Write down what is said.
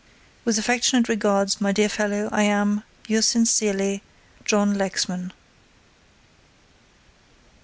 "With affectionate regards, my dear fellow, I am, "Yours sincerely, "JOHN LEXMAN."